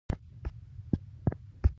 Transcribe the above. ميرويس خان وټوخل.